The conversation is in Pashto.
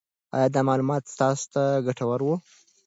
آیا دا معلومات تاسو ته ګټور وو؟